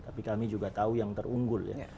tapi kami juga tahu yang terunggul ya